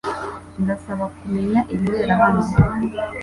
Ndasaba kumenya ibibera hano .